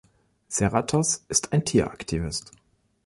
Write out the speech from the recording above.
Serratos ist ein Tieraktivist.